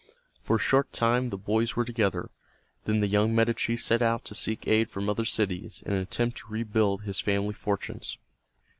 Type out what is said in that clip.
For a short time the boys were together, then the young Medici set out to seek aid from other cities, in an attempt to rebuild his family fortunes.